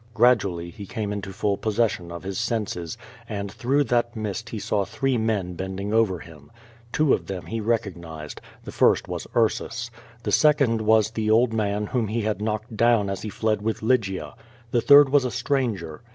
Gradually he came into full possession of his senses, and through that mist he saw three men bending over him. Two of them he recognised. The first was Ursus. The second was the old man whom he had knocked down as he fled with Lygia. The third was a stranger.